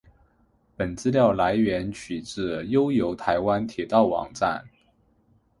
本资料来源取自悠游台湾铁道网站。